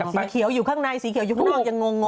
สีเขียวอยู่ข้างในสีเขียวอยู่ข้างนอกยังงง